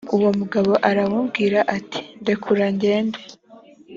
uwo mugabo aramubwira ati ndekura ngende